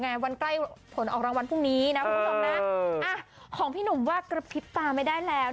เอาถึงกับพี่หนุ่มว่าหรือไม่ได้แล้วนะปุ่น